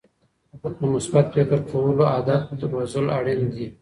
د مثبت فکر کولو عادت روزل اړین دي.